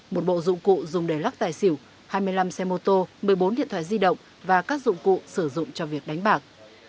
một bộ dụng cụ dùng để lắc tài xỉu hai mươi năm xe mô tô một mươi bốn điện thoại di động và các dụng cụ sử dụng cho việc đánh bạc